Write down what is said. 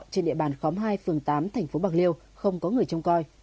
trên địa bàn khóm hai phường tám tp bạc liêu không có người trông coi